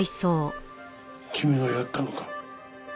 君がやったのか？